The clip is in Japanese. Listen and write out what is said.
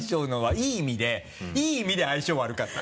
いい意味でいい意味で相性悪かった。